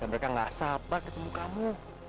dan mereka tidak sabar ketemu kamu